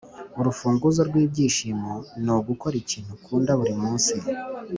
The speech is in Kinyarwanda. urufunguzo rwibyishimo ni ugukora ikintu ukunda buri munsi.